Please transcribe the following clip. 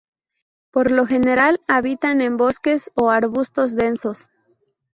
Por lo general habitan en bosques o arbustos densos.